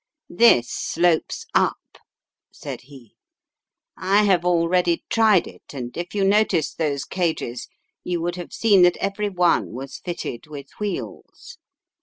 "This slopes up," said he. "I have already tried it, and if you noticed those cages, you would have seen that every one was fitted with wheels.